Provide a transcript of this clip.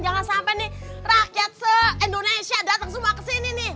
jangan sampai nih rakyat se indonesia dateng semua ke sini nih